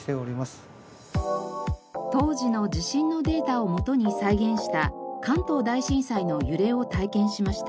当時の地震のデータを基に再現した関東大震災の揺れを体験しました。